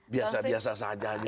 biasa biasa saja gitu